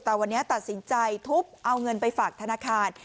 แต่วันนี้ตัดสินใจทุบเอาเงินไปฝากธนาคาร